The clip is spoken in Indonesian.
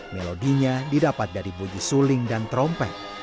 melodinya didapat dari bunyi suling dan trompet